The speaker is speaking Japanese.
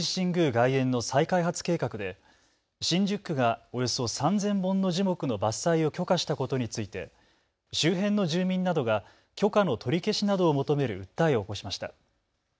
外苑の再開発計画で新宿区がおよそ３０００本の樹木の伐採を許可したことについて周辺の住民などが許可の取り消しなどを求める訴えを起こしました。